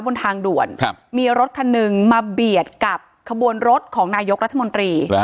บนทางด่วนมีรถคันหนึ่งมาเบียดกับขบวนรถของนายกรัฐมนตรี